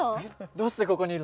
どうしてここにいるの？